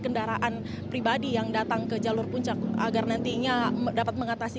kendaraan pribadi yang datang ke jalur puncak agar nantinya dapat mengatasi